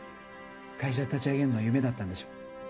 会社を立ち上げるのが夢だったんでしょ。